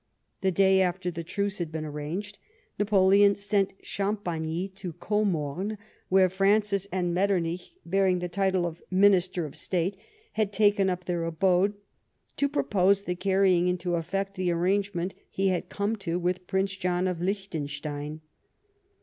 The day after the truce had been arranged. Napoleon sent Champagny to Komorn, where Francis and Metternich, bearing the title of Minister of State, had taken up their abode, to propose the carrying into effect the arrangement he had come to with Prince John of Liechtenstein.